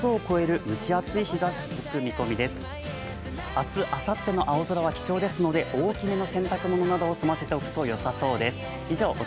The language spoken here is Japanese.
明日、あさっての青空は貴重ですので、大きめの洗濯物を済ませておくとよさそうです。